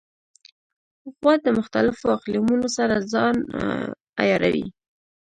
غوا د مختلفو اقلیمونو سره ځان عیاروي.